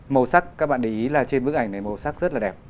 màu sắc các bạn ý là trên bức ảnh này màu sắc rất là đẹp